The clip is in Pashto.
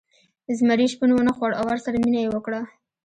زمري شپون ونه خوړ او ورسره مینه یې وکړه.